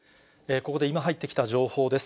ここで今入ってきた情報です。